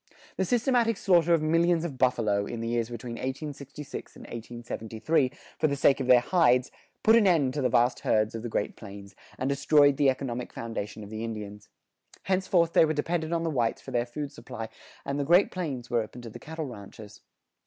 The systematic slaughter of millions of buffalo, in the years between 1866 and 1873, for the sake of their hides, put an end to the vast herds of the Great Plains, and destroyed the economic foundation of the Indians. Henceforth they were dependent on the whites for their food supply, and the Great Plains were open to the cattle ranchers.